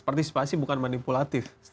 partisipasi bukan manipulatif